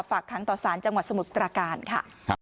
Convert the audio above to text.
ค้างต่อสารจังหวัดสมุทรปราการค่ะ